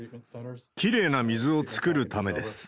きれいな水を作るためです。